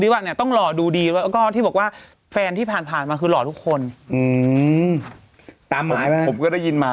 นี้ต้องรอดูดีแล้วก็ที่บอกว่าแฟนที่ผ่านมาคือรอทุกคนตามมาก็ได้ยินมา